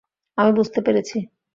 আমি বুঝতে পেরেছি।